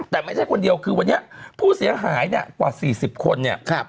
แต่ไม่ใช่คนเดียวคือวันนี้ผู้เสียหายเนี่ยกว่า๔๐คนเนี่ย